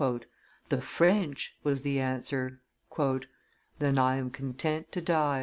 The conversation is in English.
"The French!" was the answer. "Then I am content to die."